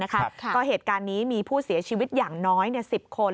ก็เหตุการณ์นี้มีผู้เสียชีวิตอย่างน้อย๑๐คน